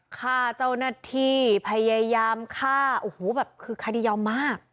ฆ่าเจ้าหน้าที่พยายามฆ่าโอ้โหแบบคือคดียอมมาก